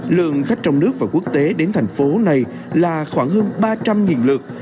lượng khách trong nước và quốc tế đến thành phố này là khoảng hơn ba trăm linh lượt